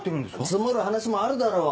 積もる話もあるだろう。